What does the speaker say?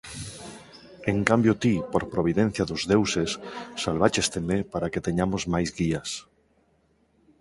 En cambio ti, por providencia dos deuses, salváchesteme para que teñamos máis guías.